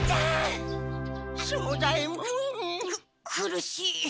く苦しい。